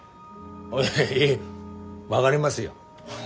いえいえ分がりますよ。